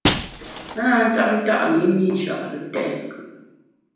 A na tap nta’ ṅi mi Nchare tèt nkùt.